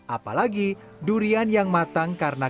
apalagi durian yang matang karena